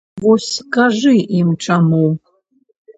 Вось кажы ім чаму!